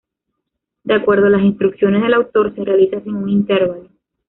De acuerdo a las instrucciones del autor, se realiza sin un intervalo.